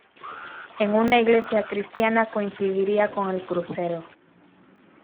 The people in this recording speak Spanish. En una iglesia cristiana coincidiría con el crucero.